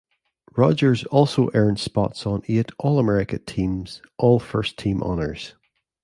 Rogers also earned spots on eight All-America teams, all first-team honors.